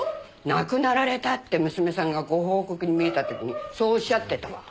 亡くなられたって娘さんがご報告に見えた時にそうおっしゃってたわ。